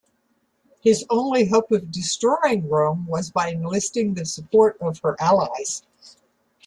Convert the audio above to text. His only hope of destroying Rome was by enlisting the support of her allies.